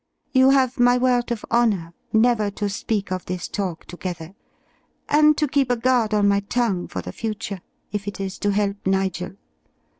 You have my word of honour never to speak of this talk together, and to keep a guard on my tongue for the future, if it is to help Nigel.